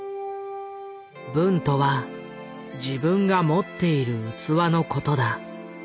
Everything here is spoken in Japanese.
「分とは自分が持っている器のことだ。